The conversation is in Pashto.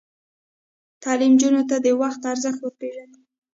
تعلیم نجونو ته د وخت ارزښت ور پېژني.